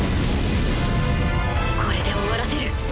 これで終わらせる。